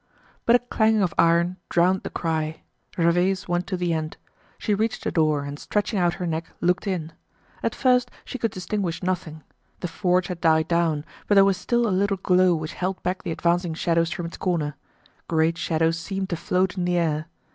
But a clanging of iron drowned the cry! Gervaise went to the end. She reached a door and stretching out her neck looked in. At first she could distinguish nothing. The forge had died down, but there was still a little glow which held back the advancing shadows from its corner. Great shadows seemed to float in the air.